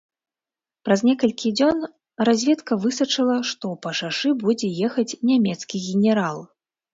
Праз некалькі дзён разведка высачыла, што па шашы будзе ехаць нямецкі генерал.